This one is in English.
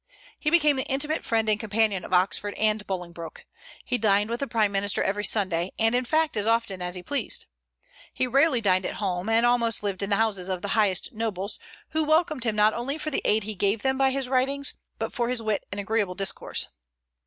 He became the intimate friend and companion of Oxford and Bolingbroke. He dined with the prime minister every Sunday, and in fact as often as he pleased. He rarely dined at home, and almost lived in the houses of the highest nobles, who welcomed him not only for the aid he gave them by his writings, but for his wit and agreeable discourse.